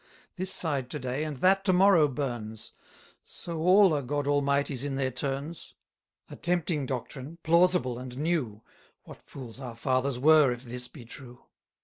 This side to day, and that to morrow burns; So all are God Almighties in their turns. 110 A tempting doctrine, plausible and new; What fools our fathers were, if this be true!